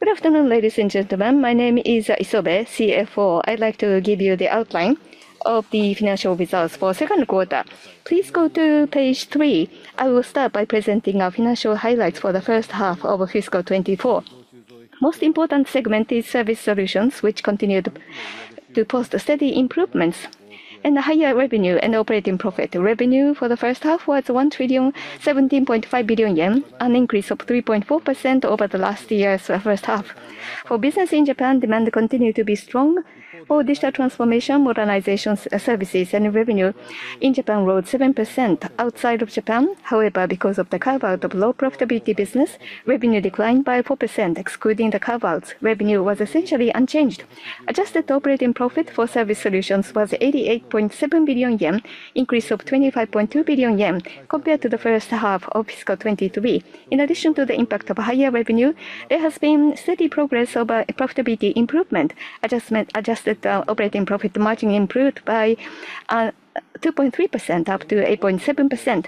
Good afternoon, ladies and gentlemen. My name is Isobe, CFO. I'd like to give you the outline of the financial results for the second quarter. Please go to page 3. I will start by presenting our financial highlights for the first half of fiscal 2024. The most important segment is Service Solutions, which continued to post steady improvements in higher revenue and operating profit. Revenue for the first half was 1,017.5 billion yen, an increase of 3.4% over the last year's first half. For business in Japan, demand continued to be strong. All Digital Transformation, Modernization, services, and revenue in Japan rose 7%. Outside of Japan, however, because of the carve-out of low profitability business, revenue declined by 4%. Excluding the carve-outs, revenue was essentially unchanged. Adjusted operating profit for Service Solutions was 88.7 billion yen, an increase of 25.2 billion yen compared to the first half of fiscal 2023. In addition to the impact of higher revenue, there has been steady progress over profitability improvement. Adjusted operating profit margin improved by 2.3%, up to 8.7%.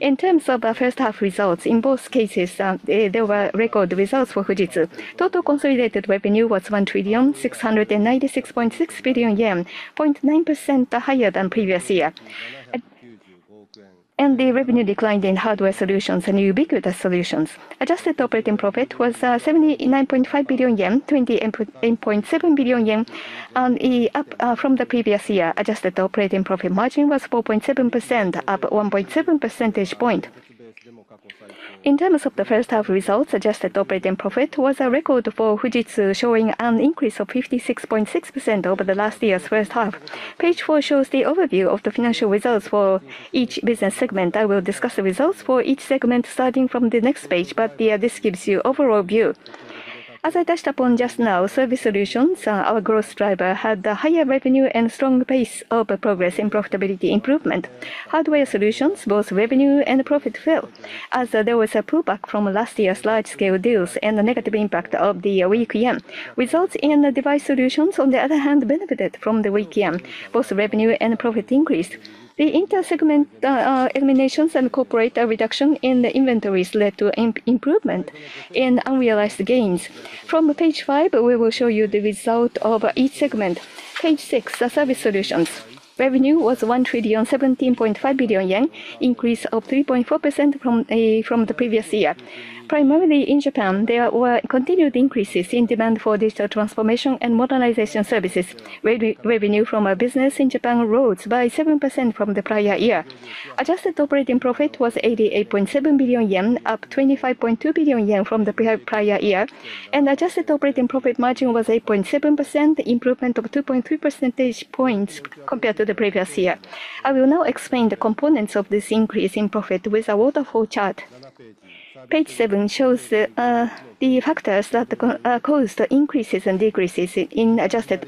In terms of first-half results, in both cases, there were record results for Fujitsu. Total consolidated revenue was 1,696.6 billion yen, 0.9% higher than previous year. The revenue declined in Hardware Solutions and Ubiquitous Solutions. Adjusted operating profit was 79.5 billion yen, 28.7 billion yen, up from the previous year. Adjusted operating profit margin was 4.7%, up 1.7 percentage points. In terms of the first-half results, adjusted operating profit was a record for Fujitsu, showing an increase of 56.6% over the last year's first half. Page 4 shows the overview of the financial results for each business segment. I will discuss the results for each segment starting from the next page, but this gives you an overall view. As I touched upon just now, Service Solutions, our growth driver, had higher revenue and a strong pace of progress in profitability improvement. Hardware Solutions, both revenue and profit, fell as there was a pullback from last year's large-scale deals and the negative impact of the weak yen. Results in Device Solutions, on the other hand, benefited from the weak yen. Both revenue and profit increased. The inter-segment eliminations and corporate reduction in inventories led to improvement in unrealized gains. From page 5, we will show you the result of each segment. Page 6, Service Solutions. Revenue was 1,017.5 billion yen, an increase of 3.4% from the previous year. Primarily in Japan, there were continued increases in demand for Digital Transformation and Modernization services. Revenue from business in Japan rose by 7% from the prior year. Adjusted operating profit was 88.7 billion yen, up 25.2 billion yen from the prior year. Adjusted operating profit margin was 8.7%, an improvement of 2.3 percentage points compared to the previous year. I will now explain the components of this increase in profit with a waterfall chart. Page 7 shows the factors that caused increases and decreases in adjusted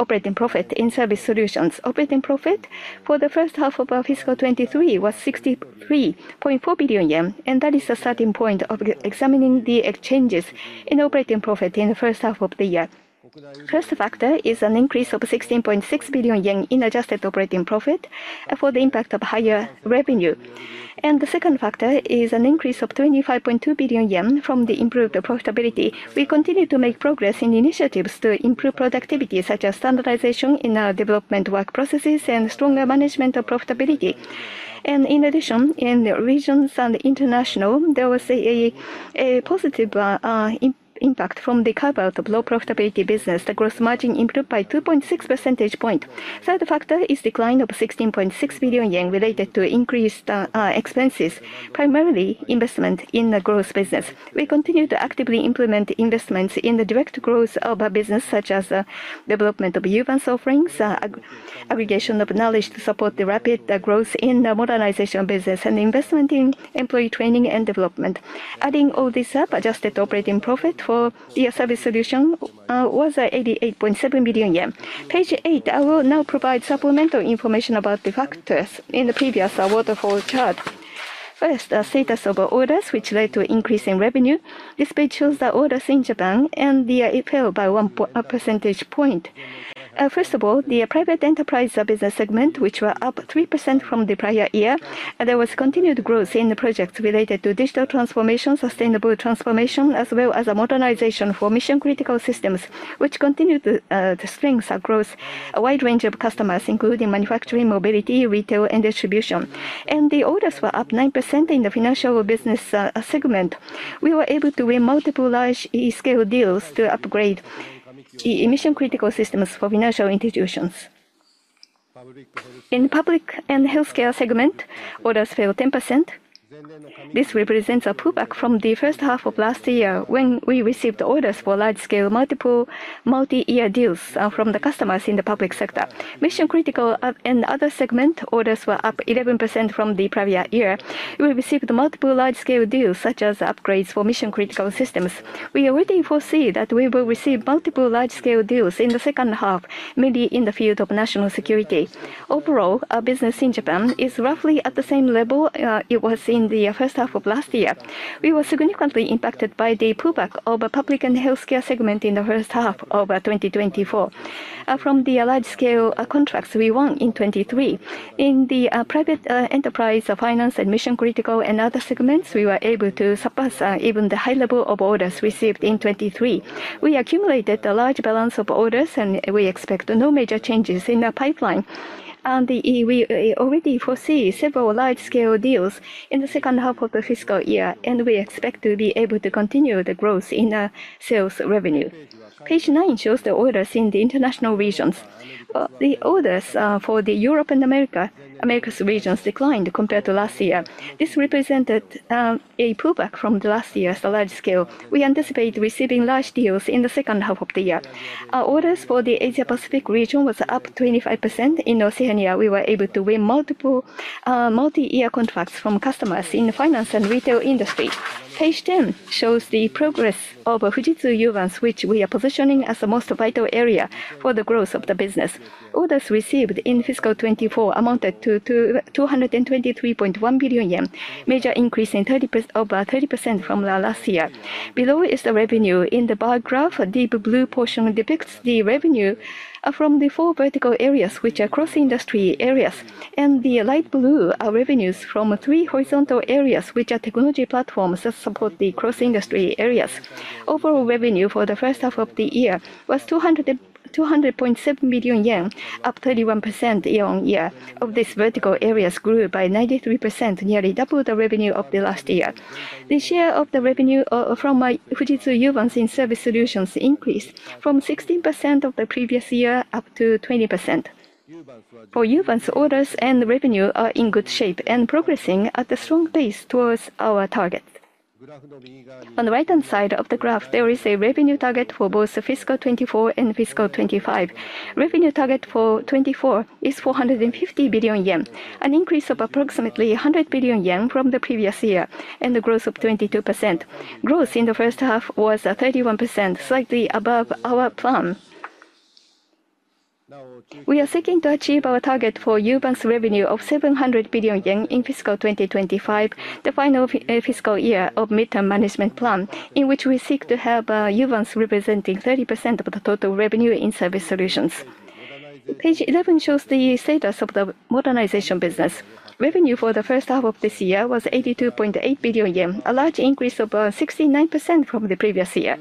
operating profit in Service Solutions. Operating profit for the first half of fiscal 2023 was 63.4 billion yen, and that is a starting point of examining the changes in operating profit in the first half of the year. The first factor is an increase of 16.6 billion yen in adjusted operating profit for the impact of higher revenue. The second factor is an increase of 25.2 billion yen from the improved profitability. We continue to make progress in initiatives to improve productivity, such as standardization in development work processes and stronger management of profitability. In addition, in regions and internationally, there was a positive impact from the carve-out of low-profitability business. The gross margin improved by 2.6 percentage points. The third factor is a decline of 16.6 billion yen related to increased expenses, primarily investment in the growth business. We continue to actively implement investments in the direct growth of business, such as the development of Uvance offerings, aggregation of knowledge to support the rapid growth in the Modernization business, and investment in employee training and development. Adding all this up, adjusted operating profit for Service Solutions was 88.7 billion yen. Page 8, I will now provide supplemental information about the factors in the previous waterfall chart. First, the status of orders, which led to an increase in revenue. This page shows the orders in Japan, and they fell by one percentage point. First of all, the Private Enterprise business segment, which was up 3% from the prior year. There was continued growth in the projects related to Digital Transformation, Sustainability Transformation, as well as Modernization for mission-critical systems, which continued to strengthen growth. A wide range of customers, including manufacturing, mobility, retail, and distribution, and the orders were up 9% in the Financial business segment. We were able to win multiple large-scale deals to upgrade mission-critical systems for financial institutions. In the Public & Healthcare segment, orders fell 10%. This represents a pullback from the first half of last year when we received orders for large-scale multi-year deals from the customers in the public sector. Mission Critical & Other segment orders were up 11% from the prior year. We received multiple large-scale deals, such as upgrades for mission-critical systems. We already foresee that we will receive multiple large-scale deals in the second half, mainly in the field of national security. Overall, our business in Japan is roughly at the same level it was in the first half of last year. We were significantly impacted by the pullback of the Public & Healthcare segment in the first half of 2024 from the large-scale contracts we won in 2023. In the Private Enterprise, Finance, and Mission Critical & Other segments, we were able to surpass even the high level of orders received in 2023. We accumulated a large balance of orders, and we expect no major changes in the pipeline. We already foresee several large-scale deals in the second half of the fiscal year, and we expect to be able to continue the growth in sales revenue. Page 9 shows the orders in the international regions. The orders for the Europe and America regions declined compared to last year. This represented a pullback from last year's large-scale. We anticipate receiving large deals in the second half of the year. Our orders for the Asia-Pacific region were up 25%. In Oceania, we were able to win multiple multi-year contracts from customers in the finance and retail industry. Page 10 shows the progress of Fujitsu Uvance, which we are positioning as the most vital area for the growth of the business. Orders received in fiscal 2024 amounted to 223.1 billion yen, a major increase in 30% from last year. Below is the revenue. In the bar graph, the deep blue portion depicts the revenue from the four vertical areas, which are cross-industry areas, and the light blue are revenues from three horizontal areas, which are technology platforms that support the cross-industry areas. Overall revenue for the first half of the year was 200.7 billion yen, up 31% year on year. Of these vertical areas, growth by 93%, nearly double the revenue of last year. The share of the revenue from Fujitsu Uvance in Service Solutions increased from 16% of the previous year up to 20%. For Uvance, orders and revenue are in good shape and progressing at a strong pace towards our target. On the right-hand side of the graph, there is a revenue target for both fiscal 2024 and fiscal 2025. The revenue target for 2024 is 450 billion yen, an increase of approximately 100 billion yen from the previous year, and a growth of 22%. Growth in the first half was 31%, slightly above our plan. We are seeking to achieve our target for Uvance revenue of 700 billion yen in fiscal 2025, the final fiscal year of the Midterm Management Plan, in which we seek to have Fujitsu Uvance representing 30% of the total revenue in Service Solutions. Page 11 shows the status of the Modernization business. Revenue for the first half of this year was 82.8 billion yen, a large increase of 69% from the previous year.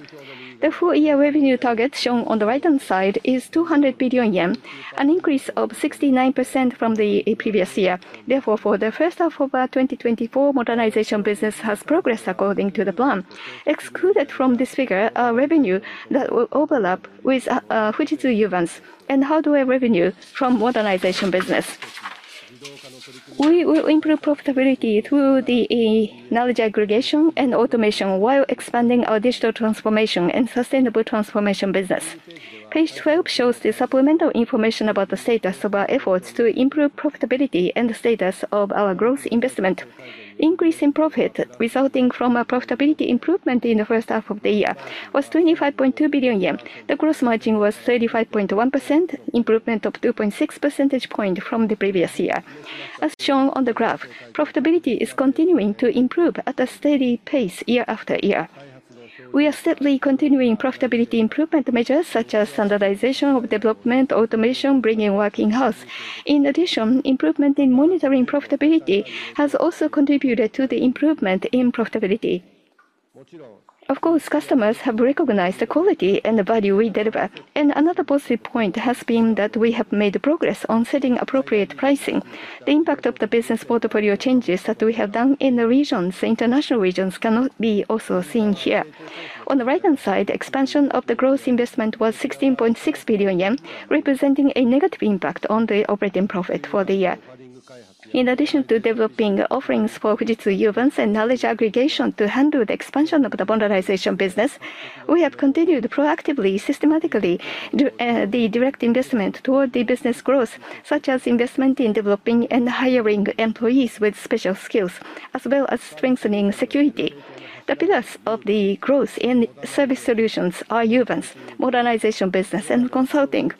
The full-year revenue target shown on the right-hand side is 200 billion yen, an increase of 69% from the previous year. Therefore, for the first half of 2024, Modernization business has progressed according to the plan. Excluded from this figure are revenue that will overlap with Fujitsu Uvance and hardware revenue from Modernization business. We will improve profitability through knowledge aggregation and automation while expanding our Digital Transformation and Sustainability Transformation business. Page 12 shows the supplemental information about the status of our efforts to improve profitability and the status of our growth investment. The increase in profit resulting from profitability improvement in the first half of the year was 25.2 billion yen. The gross margin was 35.1%, an improvement of 2.6 percentage points from the previous year. As shown on the graph, profitability is continuing to improve at a steady pace year after year. We are steadily continuing profitability improvement measures such as standardization of development, automation, bringing work in-house. In addition, improvement in monetary and profitability has also contributed to the improvement in profitability. Of course, customers have recognized the quality and the value we deliver. Another positive point has been that we have made progress on setting appropriate pricing. The impact of the business portfolio changes that we have done in the regions and international regions cannot be also seen here. On the right-hand side, the expansion of the growth investment was 16.6 billion yen, representing a negative impact on the operating profit for the year. In addition to developing offerings for Fujitsu Uvance and knowledge aggregation to handle the expansion of the Modernization business, we have continued proactively, systematically, the direct investment toward the business growth, such as investment in developing and hiring employees with special skills, as well as strengthening security. The pillars of the growth in Service Solutions are Uvance, Modernization business, and Consulting.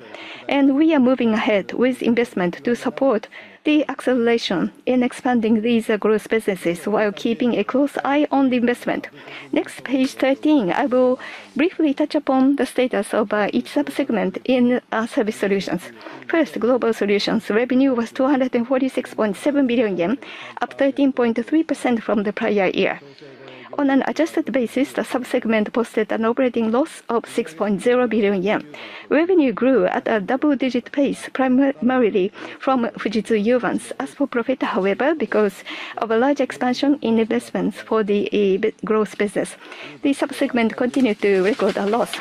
And we are moving ahead with investment to support the acceleration in expanding these growth businesses while keeping a close eye on the investment. Next, page 13, I will briefly touch upon the status of each subsegment in Service Solutions. First, Global Solutions revenue was 246.7 billion yen, up 13.3% from the prior year. On an adjusted basis, the subsegment posted an operating loss of 6.0 billion yen. Revenue grew at a double-digit pace, primarily from Fujitsu Uvance. As for profit, however, because of a large expansion in investments for the growth business, the subsegment continued to record a loss.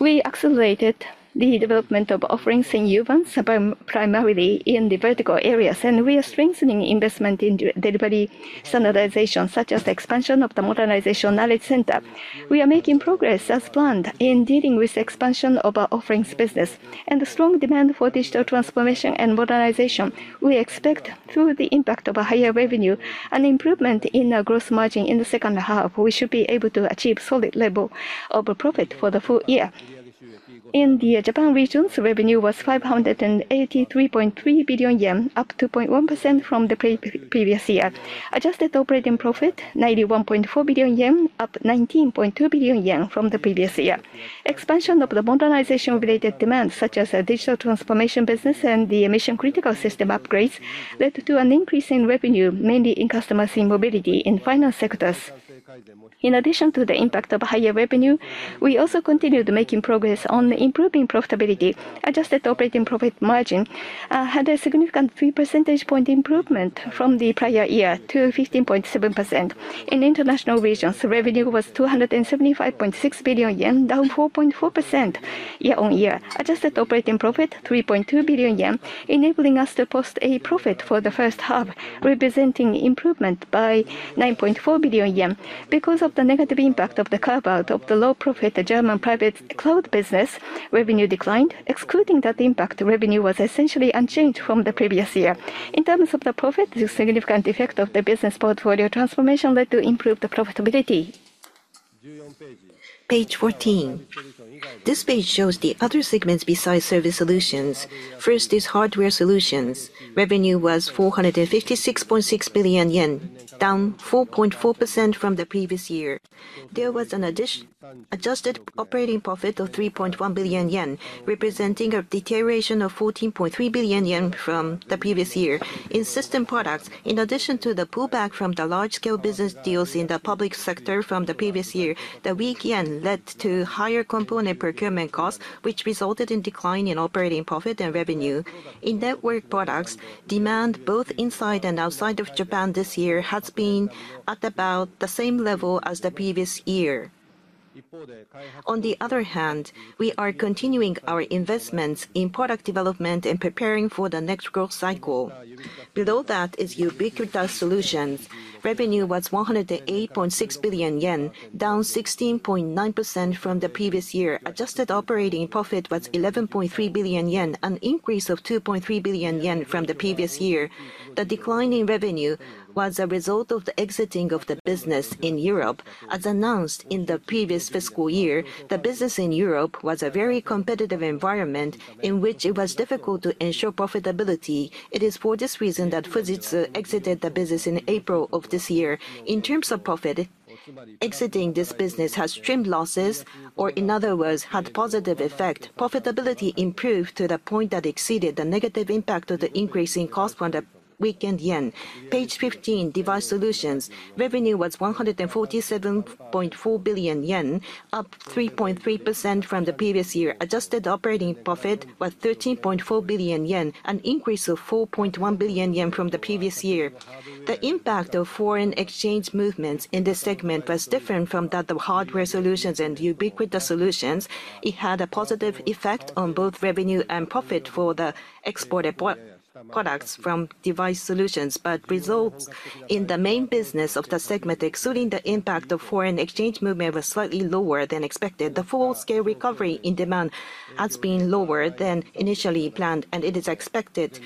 We accelerated the development of offerings in Uvance primarily in the vertical areas, and we are strengthening investment in delivery standardization, such as the expansion of the Modernization Knowledge Center. We are making progress as planned in dealing with the expansion of our Offerings business and the strong demand for Digital Transformation and Modernization. We expect through the impact of a higher revenue and improvement in our gross margin in the second half, we should be able to achieve a solid level of profit for the full year. In the Japan region, revenue was 583.3 billion yen, up 2.1% from the previous year. Adjusted operating profit, 91.4 billion yen, up 19.2 billion yen from the previous year. Expansion of the Modernization-related demand, such as Digital Transformation business and the mission-critical system upgrades, led to an increase in revenue, mainly in customers in mobility and finance sectors. In addition to the impact of higher revenue, we also continued making progress on improving profitability. Adjusted operating profit margin had a significant 3 percentage point improvement from the prior year to 15.7%. In international regions, revenue was 275.6 billion yen, down 4.4% year on year. Adjusted operating profit, 3.2 billion yen, enabling us to post a profit for the first half, representing improvement by 9.4 billion yen. Because of the negative impact of the carve-out of the low-profit German private cloud business, revenue declined. Excluding that impact, revenue was essentially unchanged from the previous year. In terms of the profit, the significant effect of the business portfolio transformation led to improved profitability. Page 14. This page shows the other segments besides Service Solutions. First is Hardware Solutions. Revenue was 456.6 billion yen, down 4.4% from the previous year. There was an additional adjusted operating profit of 3.1 billion yen, representing a deterioration of 14.3 billion yen from the previous year. In System Products, in addition to the pullback from the large-scale business deals in the public sector from the previous year, the weak yen led to higher component procurement costs, which resulted in a decline in operating profit and revenue. In Network Products, demand both inside and outside of Japan this year has been at about the same level as the previous year. On the other hand, we are continuing our investments in product development and preparing for the next growth cycle. Below that is Ubiquitous Solutions. Revenue was 108.6 billion yen, down 16.9% from the previous year. Adjusted operating profit was 11.3 billion yen, an increase of 2.3 billion yen from the previous year. The decline in revenue was a result of the exiting of the business in Europe. As announced in the previous fiscal year, the business in Europe was a very competitive environment in which it was difficult to ensure profitability. It is for this reason that Fujitsu exited the business in April of this year. In terms of profit, exiting this business has trimmed losses, or in other words, had a positive effect. Profitability improved to the point that it exceeded the negative impact of the increase in cost from the weakened yen. Page 15, Device Solutions. Revenue was 147.4 billion yen, up 3.3% from the previous year. Adjusted operating profit was 13.4 billion yen, an increase of 4.1 billion yen from the previous year. The impact of foreign exchange movements in this segment was different from that of Hardware Solutions and Ubiquitous Solutions. It had a positive effect on both revenue and profit for the exported products from Device Solutions, but results in the main business of the segment, excluding the impact of foreign exchange movement, were slightly lower than expected. The full-scale recovery in demand has been lower than initially planned, and it is expected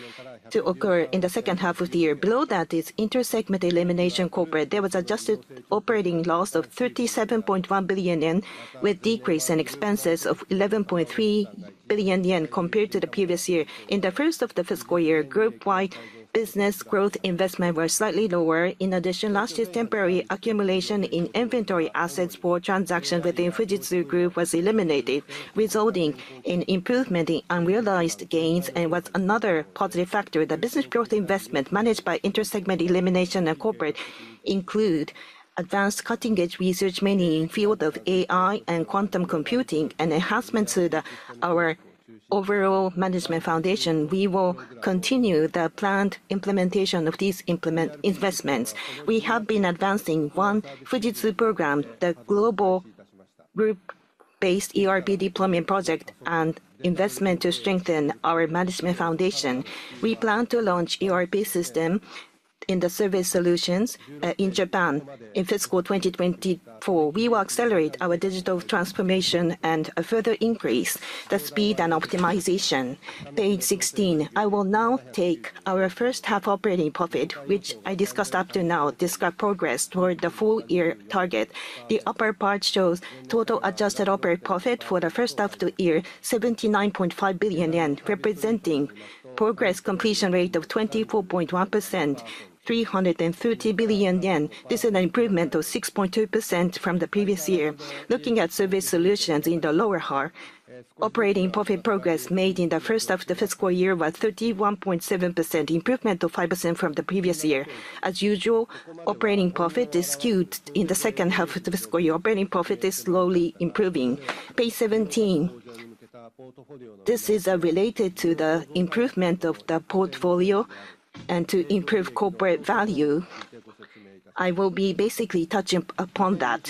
to occur in the second half of the year. Below that is intersegment elimination corporate. There was an adjusted operating loss of 37.1 billion yen, with a decrease in expenses of 11.3 billion yen compared to the previous year. In the first half of the fiscal year, group-wide business growth investment was slightly lower. In addition, last year's temporary accumulation in inventory assets for transactions within Fujitsu Group was eliminated, resulting in improvement in unrealized gains, and was another positive factor. The business growth investment managed by intersegment elimination and corporate includes advanced cutting-edge research, mainly in the field of AI and quantum computing, and enhancements to our overall management foundation. We will continue the planned implementation of these investments. We have been advancing One Fujitsu program, the global group-based ERP deployment project and investment to strengthen our management foundation. We plan to launch the ERP system in the Service Solutions in Japan in fiscal 2024. We will accelerate our Digital Transformation and further increase the speed and optimization. Page 16. I will now take our first half operating profit, which I discussed up to now, to describe progress toward the full-year target. The upper part shows total adjusted operating profit for the first half of the year, 79.5 billion yen, representing a progress completion rate of 24.1%, 330 billion yen. This is an improvement of 6.2% from the previous year. Looking at Service Solutions in the lower half, operating profit progress made in the first half of the fiscal year was 31.7%, an improvement of 5% from the previous year. As usual, operating profit is skewed in the second half of the fiscal year. Operating profit is slowly improving. Page 17, this is related to the improvement of the portfolio and to improve corporate value. I will be basically touching upon that.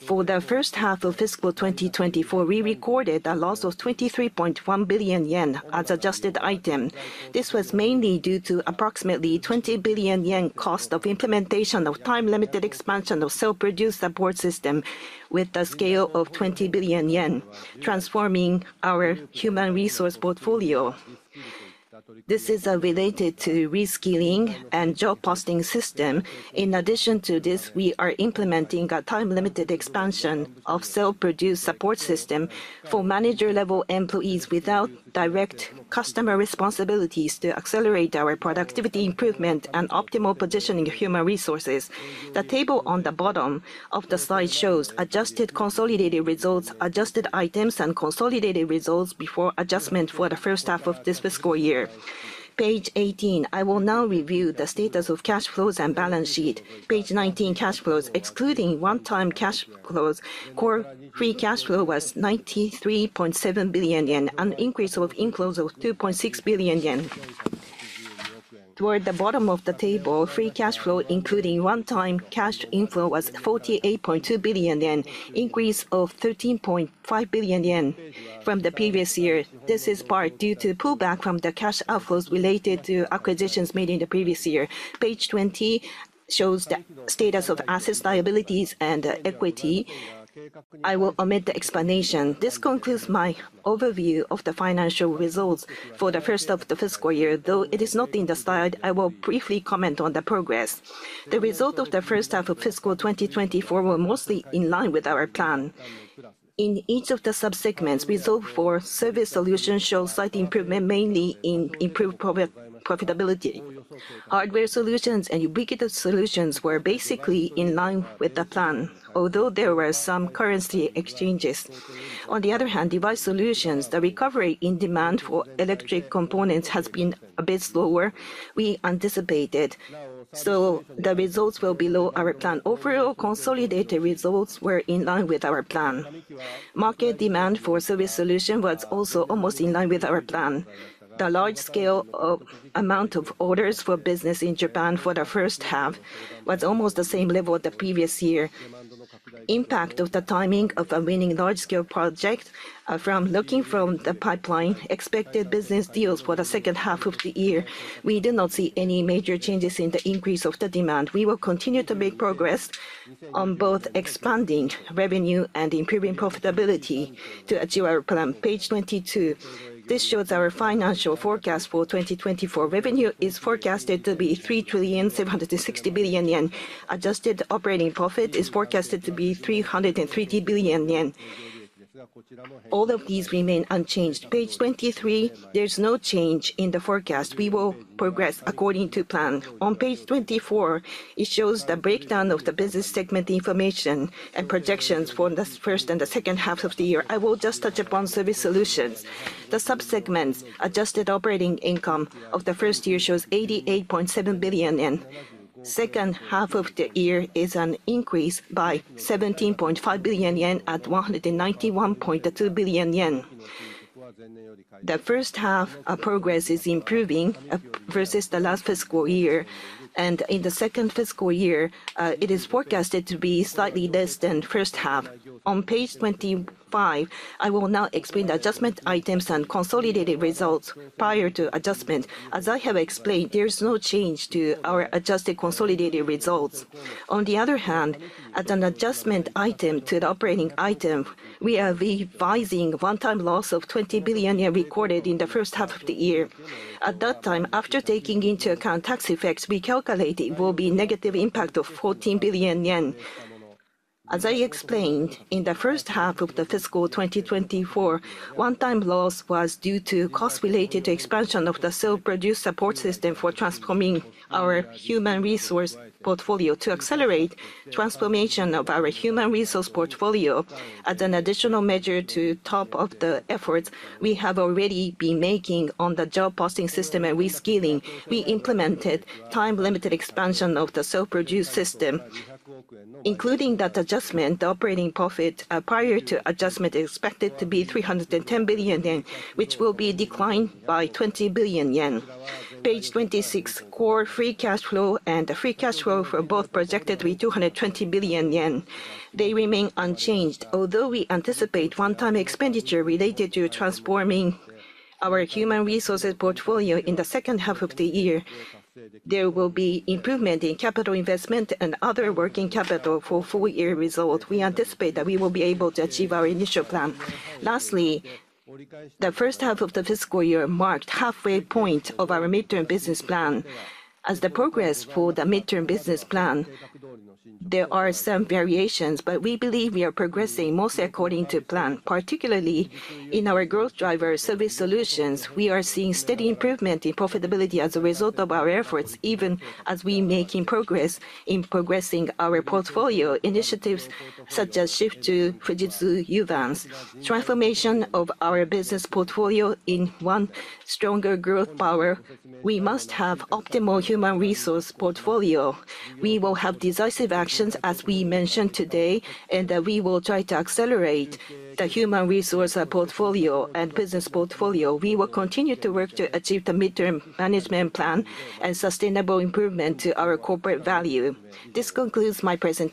For the first half of fiscal 2024, we recorded a loss of 23.1 billion yen as an adjusted item. This was mainly due to approximately 20 billion yen cost of implementation of time-limited expansion of Self-Produce Support System with a scale of 20 billion yen, transforming our human resource portfolio. This is related to reskilling and job posting systems. In addition to this, we are implementing a time-limited expansion of Self-Produce Support System for manager-level employees without direct customer responsibilities to accelerate our productivity improvement and optimal positioning of human resources. The table on the bottom of the slide shows adjusted consolidated results, adjusted items, and consolidated results before adjustment for the first half of this fiscal year. Page 18, I will now review the status of cash flows and balance sheet. Page 19, cash flows, excluding one-time cash flows, core free cash flow was 93.7 billion yen, an increase of inflows of 2.6 billion yen. Toward the bottom of the table, free cash flow, including one-time cash inflow, was 48.2 billion yen, an increase of 13.5 billion yen from the previous year. This is part due to the pullback from the cash outflows related to acquisitions made in the previous year. Page 20 shows the status of assets, liabilities, and equity. I will omit the explanation. This concludes my overview of the financial results for the first half of the fiscal year. Though it is not in the slide, I will briefly comment on the progress. The result of the first half of fiscal 2024 was mostly in line with our plan. In each of the subsegments, results for Service Solutions showed slight improvement, mainly in improved profitability. Hardware Solutions and Ubiquitous Solutions were basically in line with the plan, although there were some currency exchanges. On the other hand, Device Solutions, the recovery in demand for electronic components has been a bit slower than we anticipated, so the results were below our plan. Overall, consolidated results were in line with our plan. Market demand for Service Solutions was also almost in line with our plan. The large scale of the amount of orders for business in Japan for the first half was almost the same level as the previous year. Impact of the timing of a winning large-scale project from looking from the pipeline, expected business deals for the second half of the year. We did not see any major changes in the increase of the demand. We will continue to make progress on both expanding revenue and improving profitability to achieve our plan. Page 22, this shows our financial forecast for 2024. Revenue is forecasted to be 3,760 billion yen. Adjusted operating profit is forecasted to be 330 billion yen. All of these remain unchanged. Page 23, there is no change in the forecast. We will progress according to plan. On page 24, it shows the breakdown of the business segment information and projections for the first and the second half of the year. I will just touch upon Service Solutions. The subsegment adjusted operating income of the first year shows 88.7 billion yen. The second half of the year is an increase by 17.5 billion yen at 191.2 billion yen. The first half of progress is improving versus the last fiscal year, and in the second fiscal year, it is forecasted to be slightly less than the first half. On page 25, I will now explain the adjustment items and consolidated results prior to adjustment. As I have explained, there is no change to our adjusted consolidated results. On the other hand, as an adjustment item to the operating item, we are revising a one-time loss of 20 billion yen recorded in the first half of the year. At that time, after taking into account tax effects, we calculated it will be a negative impact of 14 billion yen. As I explained, in the first half of the fiscal 2024, one-time loss was due to cost-related expansion of the Self-Produce Support System for transforming our human resource portfolio. To accelerate transformation of our human resource portfolio, as an additional measure on top of the efforts we have already been making on the job posting system and reskilling, we implemented time-limited expansion of the Self-Produce Support System, including that adjustment. The operating profit prior to adjustment is expected to be 310 billion yen, which will be declined by 20 billion yen. Page 26, core free cash flow and free cash flow, both projected to be 220 billion yen. They remain unchanged. Although we anticipate one-time expenditure related to transforming our human resources portfolio in the second half of the year, there will be improvement in capital investment and other working capital for the full-year result. We anticipate that we will be able to achieve our initial plan. Lastly, the first half of the fiscal year marked a halfway point of our midterm business plan. As the progress for the midterm business plan, there are some variations, but we believe we are progressing mostly according to plan. Particularly in our growth driver, Service Solutions, we are seeing steady improvement in profitability as a result of our efforts, even as we are making progress in progressing our portfolio initiatives such as shift to Fujitsu Uvance, transformation of our business portfolio into one stronger growth power. We must have an optimal human resource portfolio. We will have decisive actions, as we mentioned today, and that we will try to accelerate the human resource portfolio and business portfolio. We will continue to work to achieve the midterm management plan and sustainable improvement to our corporate value. This concludes my presentation.